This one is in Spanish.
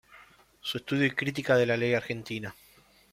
Su estudio y crítica de la ley argentina".